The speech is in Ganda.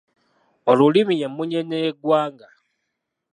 Olulimi y'emmunyeenye y'eggwanga.